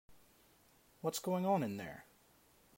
What's going on in there?